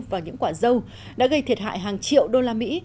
vào những quả dâu đã gây thiệt hại hàng triệu đô la mỹ